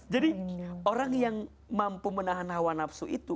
jadi orang yang mampu menahan hawa nafsu itu